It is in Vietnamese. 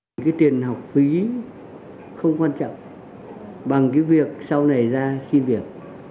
những cái tiền học phí không quan trọng bằng cái việc sau này ra xin việc